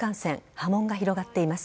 波紋が広がっています。